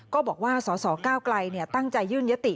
ก็บอกว่าสสก้าวไกลตั้งใจยื่นยติ